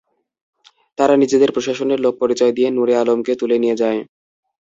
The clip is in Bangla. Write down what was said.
তারা নিজেদের প্রশাসনের লোক পরিচয় দিয়ে নূরে আলমকে তুলে নিয়ে যায়।